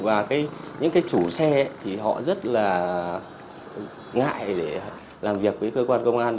và cái những cái chủ đề này nó không gần như nó không cố định